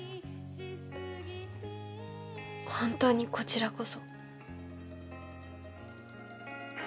本当にこちらこそ。